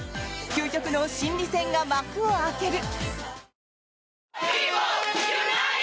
究極の心理戦が幕を開ける。